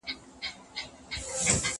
زه به کتابونه ليکلي وي!